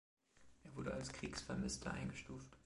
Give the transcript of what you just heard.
Er wurde als Kriegsvermisster eingestuft.